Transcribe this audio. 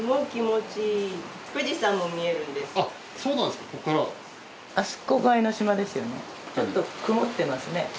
ちょっと曇ってますね。